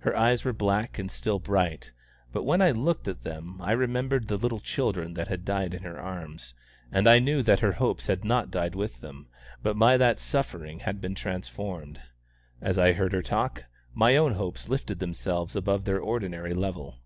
Her eyes were black and still bright; but when I looked at them I remembered the little children that had died in her arms, and I knew that her hopes had not died with them, but by that suffering had been transformed. As I heard her talk, my own hopes lifted themselves above their ordinary level.